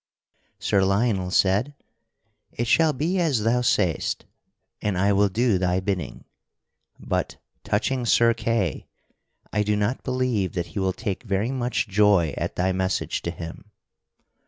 Sir Lionel said: "It shall be as thou sayst, and I will do thy bidding. But, touching Sir Kay, I do not believe that he will take very much joy at thy message to him.